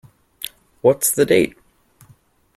What's the date?